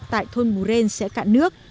tại thôn bù ren sẽ cạn nước